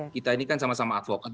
kita ini kan sama sama advokat